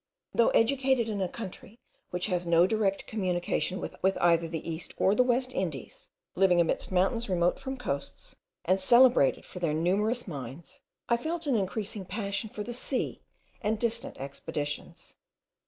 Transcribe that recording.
Though educated in a country which has no direct communication with either the East or the West Indies, living amidst mountains remote from coasts, and celebrated for their numerous mines, I felt an increasing passion for the sea and distant expeditions.